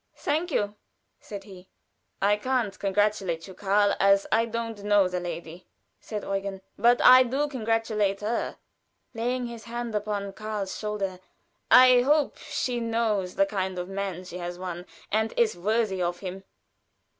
"Thank you," said he. "I can't congratulate you, Karl, as I don't know the lady," said Eugen, "but I do congratulate her," laying his hand upon Karl's shoulder; "I hope she knows the kind of man she has won, and is worthy of him."